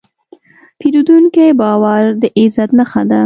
د پیرودونکي باور د عزت نښه ده.